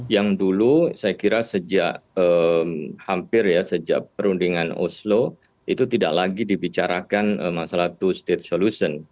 yang dulu saya kira sejak hampir ya sejak perundingan oslo itu tidak lagi dibicarakan masalah two state solution